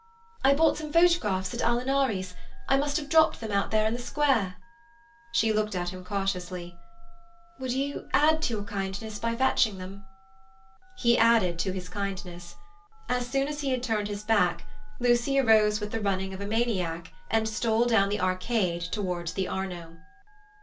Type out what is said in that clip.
"I bought some photographs at Alinari's. I must have dropped them out there in the square." She looked at him cautiously. "Would you add to your kindness by fetching them?" He added to his kindness. As soon as he had turned his back, Lucy arose with the running of a maniac and stole down the arcade towards the Arno.